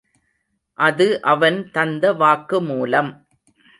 அது அவன் தந்த வாக்குமூலம்.